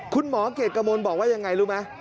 คุณหมอเกรดกระมนบอกว่ายังไงรู้ไหม